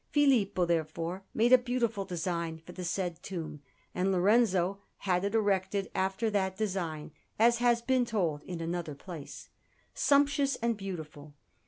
Filippo, therefore, made a beautiful design for the said tomb, and Lorenzo had it erected after that design (as has been told in another place), sumptuous and beautiful.